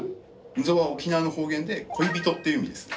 「んぞ」は沖縄の方言で「恋人」っていう意味ですね。